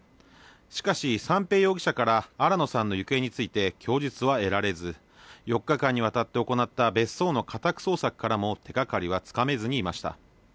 しかし、三瓶容疑者から新野さんの行方について供述は得られず、４日間にわたって行った別荘の家宅捜索からも、手がかりはつかめずにいました。